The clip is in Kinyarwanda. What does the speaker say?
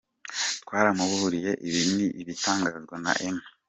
Twaramuburiye, ibi ni ibitangazwa na Amb.